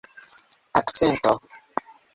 akcento